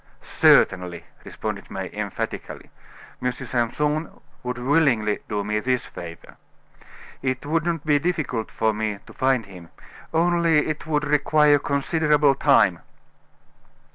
"Certainly," responded May, emphatically. "M. Simpson would willingly do me this favor. It would not be difficult for me to find him, only it would require considerable time."